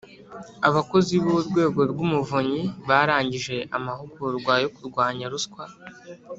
Abakozi b Urwego rw Umuvunyi barangije amahugurwa yo kurwanya ruswa